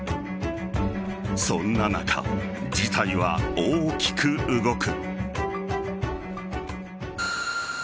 そんな中、事態は大きく動く。